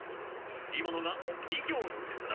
今のが「離行の術」だ。